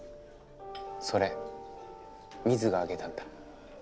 それミズがあげたんだ。